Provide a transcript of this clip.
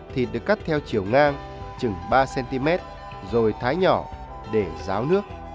thịt được cắt theo chiều ngang chừng ba cm rồi thái nhỏ để ráo nước